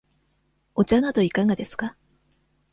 お茶などいかがですか。